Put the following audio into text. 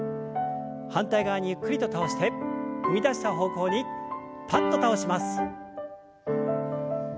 反対側にゆっくりと倒して踏み出した方向にパッと倒します。